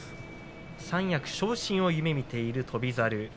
三役昇進を夢見ている翔猿です。